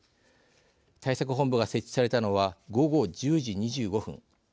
対策本部が設置されたのは午後１０時２５分。